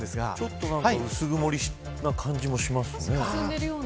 ちょっと薄曇りな感じもしますね。